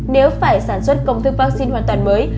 nếu phải sản xuất công thức vaccine hoàn toàn mới